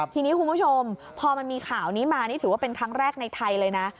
ทีนี้คุณผู้ชมพอมันมีข่าวนี้มานี่ถือว่าเป็นครั้งแรกในไทยเลยนะ